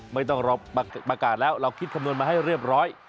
ไม่ต้องรอประกาศแล้วเราคิดคำนวณมาให้เรียบร้อย